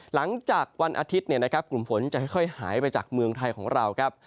หลังจากวันอาทิตย์กลุ่มฝนจะค่อยหายไปจากเมืองไทยของเราครับ